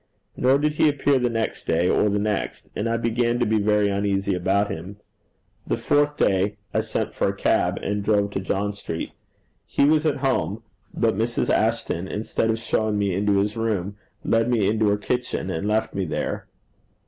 Nor did he appear the next day or the next, and I began to be very uneasy about him. The fourth day I sent for a cab, and drove to John Street. He was at home, but Mrs. Ashton, instead of showing me into his room, led me into her kitchen, and left me there.